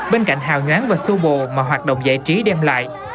bên cạnh hào nhoán và xô bồ mà hoạt động giải trí đem lại